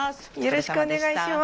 よろしくお願いします